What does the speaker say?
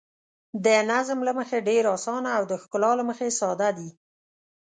د نظم له مخې ډېر اسانه او د ښکلا له مخې ساده دي.